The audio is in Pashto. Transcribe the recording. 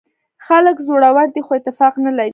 خلک زړور دي خو اتفاق نه لري.